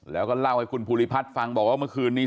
แล้วก็เล่าให้คุณภูริพัฒน์ฟังบอกว่าเมื่อคืนนี้